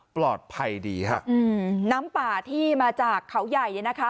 ปลอดภัยดีฮะอืมน้ำป่าที่มาจากเขาใหญ่เนี่ยนะคะ